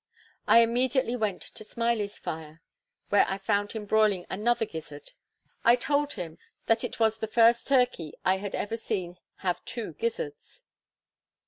I immediately went to Smiley's fire, where I found him broiling another gizzard. I told him, that it was the first turkey I had ever seen have two gizzards.